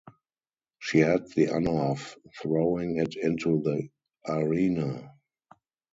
She had the honor of throwing it into the arena.